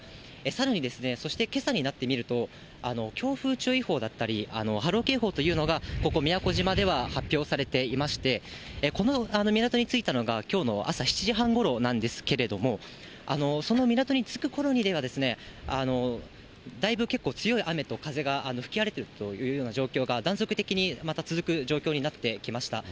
さらに、そしてけさになってみると、強風注意報だったり、波浪警報というのが、ここ宮古島では発表されていまして、この港に着いたのがきょうの朝７時半ごろなんですけれども、その港に着くころには、だいぶ結構、強い雨と風が吹き荒れてるというような状況が、断続的にまた続く状況になってきました。